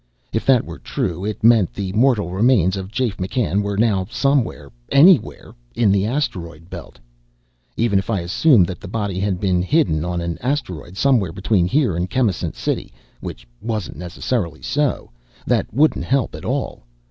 If that were true, it meant the mortal remains of Jafe McCann were now somewhere anywhere in the Asteroid Belt. Even if I assumed that the body had been hidden on an asteroid somewhere between here and Chemisant City which wasn't necessarily so that wouldn't help at all.